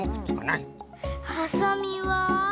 はさみは？